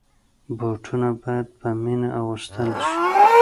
بوټونه باید په مینه اغوستل شي.